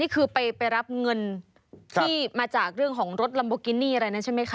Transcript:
คือไปรับเงินที่มาจากเรื่องของรถลัมโบกินี่อะไรนะใช่ไหมคะ